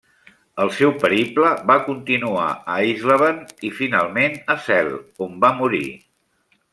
El seu periple va continuar a Eisleben i finalment a Celle, on va morir.